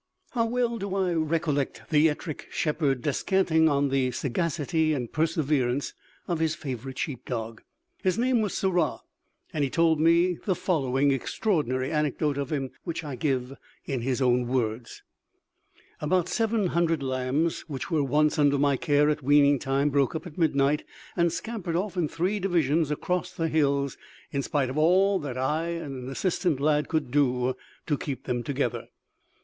How well do I recollect the Ettrick Shepherd descanting on the sagacity and perseverance of his favourite sheep dog! His name was Sirrah, and he told me the following extraordinary anecdote of him, which I give in his own words: "About seven hundred lambs, which were once under my care at weaning time, broke up at midnight, and scampered off in three divisions across the hills, in spite of all that I and an assistant lad could do to keep them together.